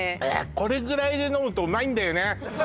これぐらいで飲むとうまいんだよね